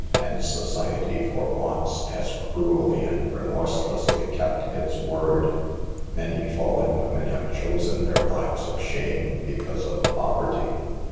And society, for once, has cruelly and remorselessly kept its word. Many fallen women have chosen their lives of shame because of poverty.